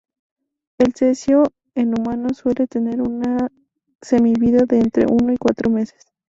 El cesio en humanos suele tener una semivida de entre uno y cuatro meses.